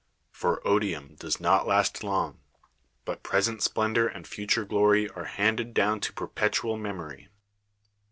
For odium does not last long; but present splendor and future glory are handed down to perpetual memory.